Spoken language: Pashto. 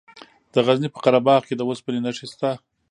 د غزني په قره باغ کې د اوسپنې نښې شته.